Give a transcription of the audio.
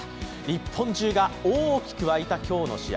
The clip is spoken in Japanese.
日本中が大きく沸いた今日の試合。